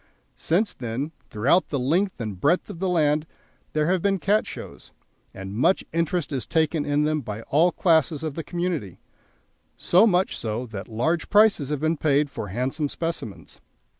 Since then, throughout the length and breadth of the land there have been Cat Shows, and much interest is taken in them by all classes of the community, so much so that large prices have been paid for handsome specimens.